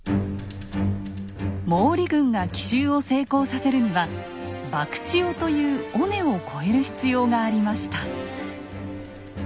毛利軍が奇襲を成功させるには博打尾という尾根を越える必要がありました。